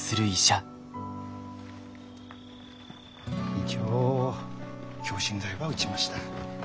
一応強心剤は打ちました。